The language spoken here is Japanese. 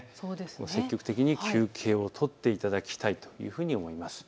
積極的に休憩を取っていただきたいというふうに思います。